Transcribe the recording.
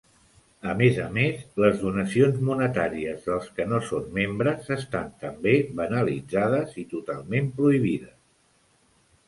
A més a més, les donacions monetàries dels que no són membres estan també banalitzades i totalment prohibides.